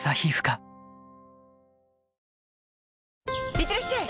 いってらっしゃい！